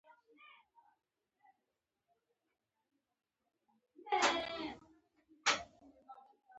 زه هڅه کوم، چي ښه راتلونکی جوړ کړم.